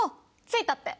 着いたって。